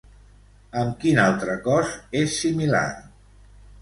Amb quin altre cos és similar?